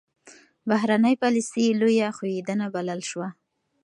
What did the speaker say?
بهرنۍ پالیسي لویه ښوېېدنه بلل شوه.